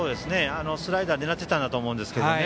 スライダーを狙っていたんだと思いますが。